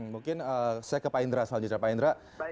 mungkin saya ke pak indra selanjutnya pak indra